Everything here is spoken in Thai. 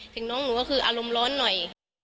ถึงน้องหนูก็คืออารมณ์ร้อนหน่อย